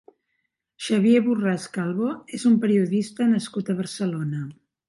Xavier Borràs Calvo és un periodista nascut a Barcelona.